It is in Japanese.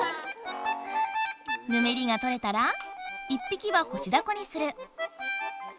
ぬめりがとれたら１ぴきは干しダコにする。